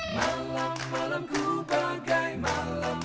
malam malam ku bagai malam